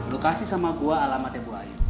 lu kasih sama gua alamatnya ibu ayu